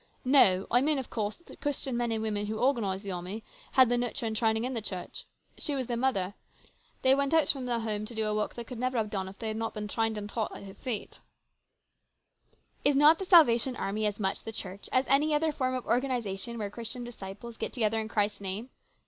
" No ; I mean, of course, that the Christian men and women who organised the army had their nurture and training in the Church. She was their mother. They went out from her home to do a work they never could have clone if they had not been trained and taught at her feet." " Is not the Salvation Army as much the Church as any other form of organisation where Christian disciples get together in Christ's name